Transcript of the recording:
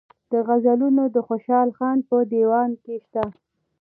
دا غزلونه د خوشحال خان په دېوان کې شته.